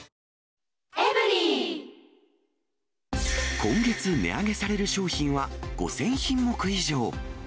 今月値上げされる商品は５０００品目以上。